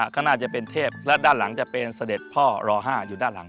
ข้างหน้าจะเป็นเทพและด้านหลังจะเป็นเสด็จพ่อรอ๕อยู่ด้านหลัง